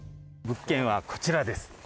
物件はこちらです。